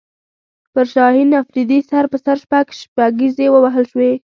پر شاهین افریدي سر په سر شپږ شپږیزې ووهل شوې